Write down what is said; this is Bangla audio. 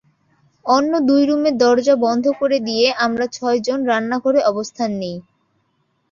অন্য দুই রুমের দরজা বন্ধ করে দিয়ে আমরা ছয়জন রান্নাঘরে অবস্থান নিই।